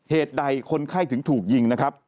เหตุใดคนไข้ถึงถูกยิงนะครับ